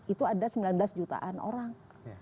itu ada sembilan belas jutaan orang